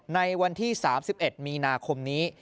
ในวันที่๓๑มีนาคมนี้